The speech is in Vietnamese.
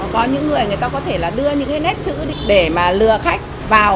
có những người người ta có thể đưa những nét chữ để mà lừa khách vào